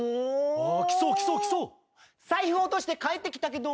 来そう来そう来そう。